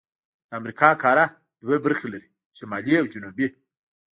د امریکا قاره دوه برخې لري: شمالي او جنوبي.